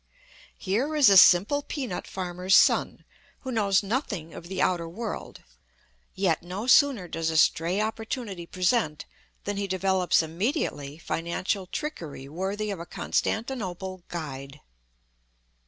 Here is a simple peanut farmer's son, who knows nothing of the outer world, yet no sooner does a stray opportunity present than he develops immediately financial trickery worthy of a Constantinople guide.